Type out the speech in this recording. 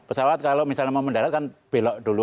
pesawat kalau misalnya memendaratkan belok dulu